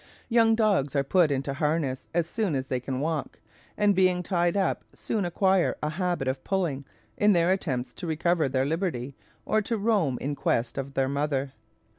Young dogs are put into harness as soon as they can walk, and being tied up, soon acquire a habit of pulling, in their attempts to recover their liberty, or to roam in quest of their mother.